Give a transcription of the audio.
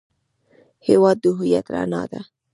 هېواد د هویت رڼا ده.